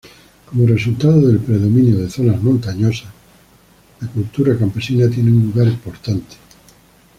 Como resultado del predominio de zonas montañosa, la cultura campesina tiene un lugar importante.